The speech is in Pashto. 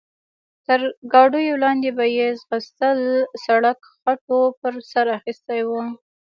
تر ګاډیو لاندې به یې ځغستل، سړک خټو پر سر اخیستی و.